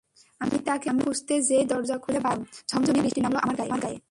আমি তাকে খুঁজতে যেই দরজা খুলে বাইরে এলাম, ঝমঝমিয়ে বৃষ্টি নামল আমার গায়ে।